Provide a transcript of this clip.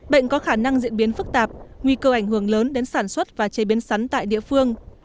bệnh có khả năng diễn biến phức tạp nguy cơ ảnh hưởng lớn đến sản xuất và chế biến sắn tại địa phương